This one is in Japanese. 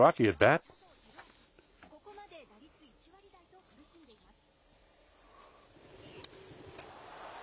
ここまで打率１割台と苦しんでいます。